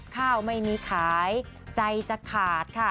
ข้าวไม่มีขายใจจะขาดค่ะ